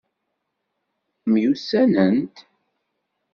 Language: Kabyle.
Myussanent?